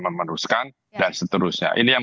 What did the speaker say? memeruskan dan seterusnya ini yang